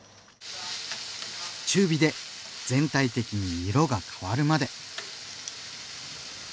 中火で全体的に色が変わるまで。